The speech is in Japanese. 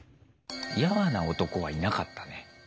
やわな男はいなかったね。